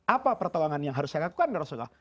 apa pertolongan yang harus saya lakukan rasulullah